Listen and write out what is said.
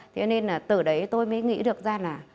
thế nên là từ đấy tôi mới nghĩ được ra là